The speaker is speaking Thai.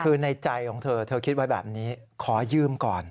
คือในใจของเธอเธอคิดไว้แบบนี้ขอยืมก่อน